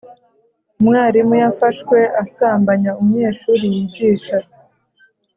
Umwarimu yafashwe asambanya umunyeshuri yigisha